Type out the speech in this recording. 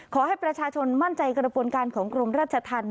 ขอให้ประชาชนมั่นใจกระบวนการของกรมราชธรรม